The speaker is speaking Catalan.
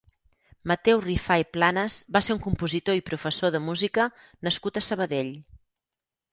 Mateu Rifà i Planas va ser un compositor i professor de música nascut a Sabadell.